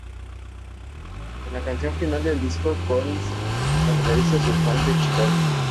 En la canción final del disco, Collins agradece a sus fans de Chicago.